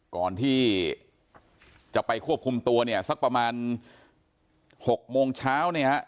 ก่อนที่จะไปควบคุมตัวเนี่ยสักประมาณ๖โมงเช้าเนี่ยฮะ